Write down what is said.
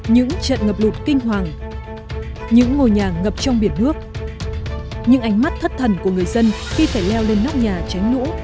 những trận ngập lụt kinh hoàng những ngôi nhà ngập trong biển nước những ánh mắt thất thần của người dân khi phải leo lên nóc nhà tránh lũ